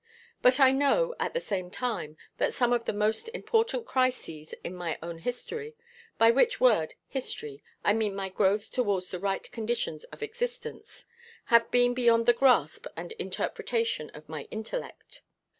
But I know, at the same time, that some of the most important crises in my own history (by which word history I mean my growth towards the right conditions of existence) have been beyond the grasp and interpretation of my intellect.